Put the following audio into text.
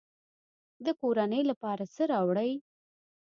د کورنۍ لپاره څه راوړئ؟